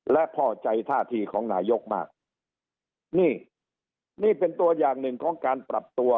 และพอใจท่าทีของนายกมากนี่นี่เป็นตัวอย่างหนึ่งของการปรับตัว